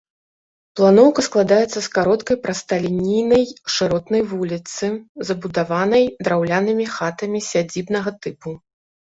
Планоўка складаецца з кароткай прасталінейнай шыротнай вуліцы, забудаванай драўлянымі хатамі сядзібнага тыпу.